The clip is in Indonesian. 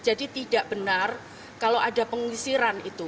tidak benar kalau ada pengusiran itu